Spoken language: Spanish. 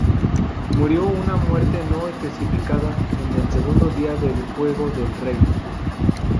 Murió una muerte no especificada en el segundo día del juego del rey.